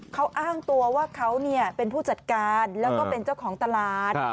เขาอ้างตัวว่าเขาเป็นผู้จัดการแล้วก็เป็นเจ้าของตลาด